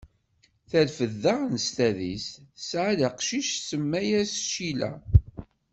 Terfed daɣen s tadist, tesɛad aqcic, tsemma-as Cila.